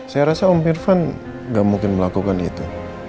saya rasa om irfan gak mungkin melakukan itu